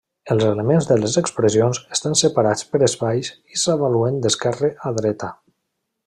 Els elements de les expressions estan separats per espais i s'avaluen d'esquerre a dreta.